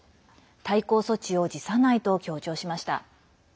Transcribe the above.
対抗措置を辞さないと強調しました。